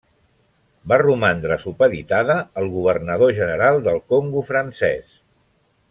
Va romandre supeditada al governador general del Congo Francès.